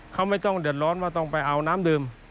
เขาไม่ต้องเดือดร้อนว่าต้องไปเอาน้ำดื่ม